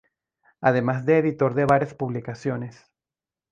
Además fue editor de varias publicaciones.